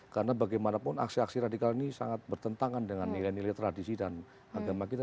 karena bagaimanapun aksi aksi radikal ini sangat bertentangan dengan nilai nilai tradisi dan agama kita